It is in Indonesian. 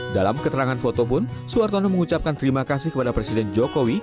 dalam keterangan foto pun suwartono mengucapkan terima kasih kepada presiden jokowi